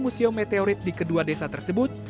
museum meteorit di kedua desa tersebut